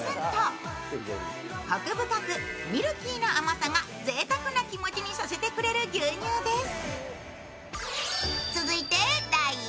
コク深く、ミルキーな甘さがぜいたくな気持ちにさせてくれる牛乳です。